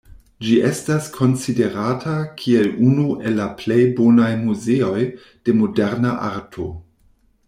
Ĝi estas konsiderata kiel unu el la plej bonaj muzeoj de moderna arto.